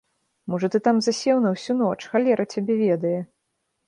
Можа, ты там засеў на ўсю ноч, халера цябе ведае.